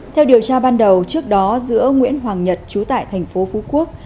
theo điều tra ban đầu trước đó giữa nguyễn hoàng nhật chú tại tp phú quốc